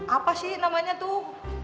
apa sih namanya tuh